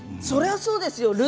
それはそうですよ。